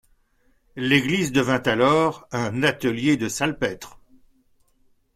L'église devint alors un atelier de salpêtre.